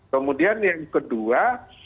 kemudian yang kedua